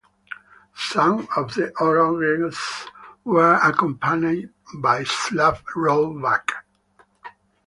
Some of the orogens were accompanied by slab rollback.